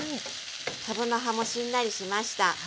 かぶの葉もしんなりしました。